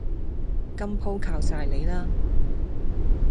今鋪靠曬你啦！